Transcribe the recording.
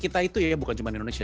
kita itu ya bukan cuma di indonesia